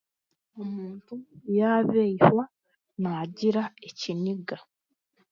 Omuntu yaabaihwa, naagira ekiniga.